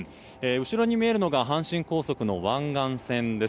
後ろに見えるのが阪神高速の湾岸線です。